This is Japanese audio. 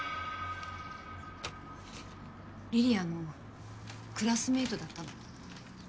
梨里杏のクラスメイトだったの。